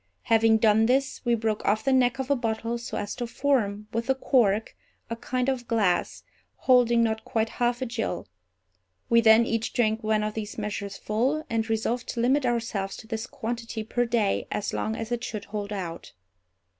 Having done this, we broke off the neck of a bottle so as to form, with the cork, a kind of glass, holding not quite half a gill. We then each drank one of these measures full, and resolved to limit ourselves to this quantity per day as long as it should hold out.